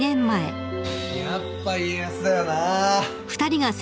やっぱ家康だよな